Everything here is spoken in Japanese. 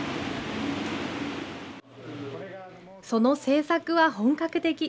その製作は本格的。